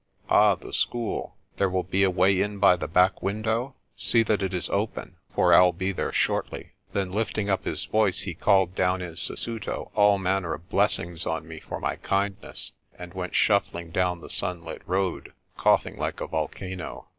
Ah, the school. There will be a way in by the back window? See that it is open, for I'll be there shortly." Then lifting up his voice he called down in Sesuto all manner of blessings on me for my kindness, and went shuffling down the sunlit road, coughing like a volcano.